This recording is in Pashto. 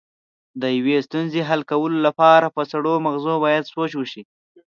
د یوې ستونزې حل کولو لپاره په سړو مغزو باید سوچ وشي.